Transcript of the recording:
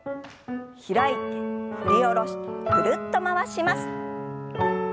開いて振り下ろしてぐるっと回します。